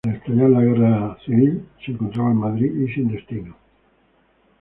Al estallar la guerra civil, se encontraba en Madrid y sin destino.